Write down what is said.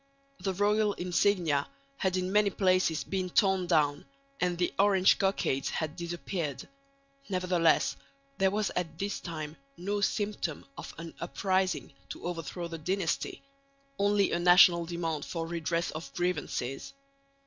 The royal insignia had in many places been torn down, and the Orange cockades had disappeared; nevertheless there was at this time no symptom of an uprising to overthrow the dynasty, only a national demand for redress of grievances.